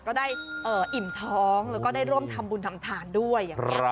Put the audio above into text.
ก็ได้หิ่นท้องแล้วก็ได้ร่วมธรรมบุญทำทานด้วย